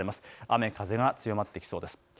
雨風が強まってきそうです。